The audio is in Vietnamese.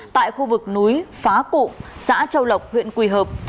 tại khu vực núi phá cụ xã châu lộc huyện quỳ hợp